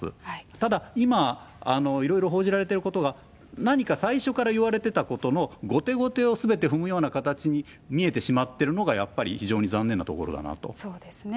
ただ、今いろいろ報じられていることが何か最初からいわれてたことの後手後手をすべて踏むような形に見えてしまってるのが、やっぱり非そうですね。